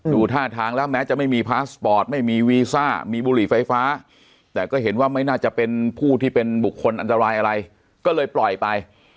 ดูท่าทางแล้วแม้จะไม่มีพาสปอร์ตไม่มีวีซ่ามีบุหรี่ไฟฟ้าแต่ก็เห็นว่าไม่น่าจะเป็นผู้ที่เป็นบุคคลอันตรายอะไรก็เลยปล่อยไป